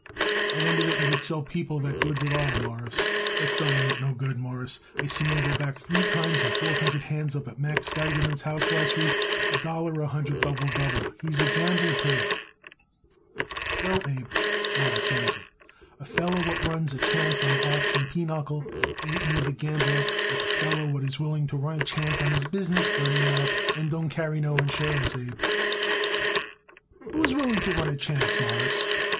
"I wonder that you would sell people like that goods at all, Mawruss. That feller ain't no good, Mawruss. I seen him go back three times on four hundred hands up at Max Geigerman's house last week, a dollar a hundred double double. He's a gambler, too." "Well, Abe," Morris answered, "a feller what runs a chance on auction pinochle ain't near the gambler like a feller what is willing to run a chance on his business burning out and don't carry no insurance, Abe." "Who is willing to run a chance, Mawruss?"